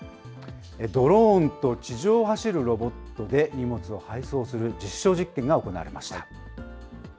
ドローンと地上を走るロボットで荷物を配送する実証実験が行われました。